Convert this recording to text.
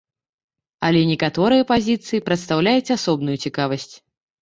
Але некаторыя пазіцыі прадстаўляюць асобную цікавасць.